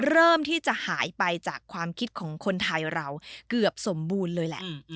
เริ่มที่จะหายไปจากความคิดของคนไทยเราเกือบสมบูรณ์เลยแหละ